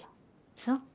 そう。